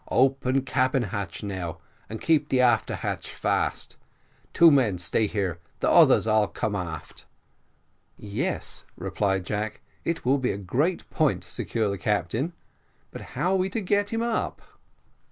Open cabin hatch now, and keep the after hatch fast. Two men stay there, the others all come aft." "Yes," replied Jack, "it will be a great point to secure the captain but how are we to get him up?"